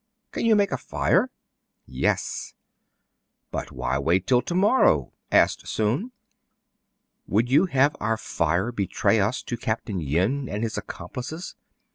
Can you make a fire 1 "Yes." " But why wait till to morrow ?" asked Soun. "Would you have our fire betray us to Capt. Yin and his accomplices?"